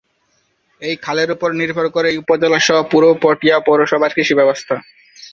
এই খালের উপর নির্ভর করে এই উপজেলা সহ পুরো পটিয়া পৌরসভার কৃষি ব্যবস্থা।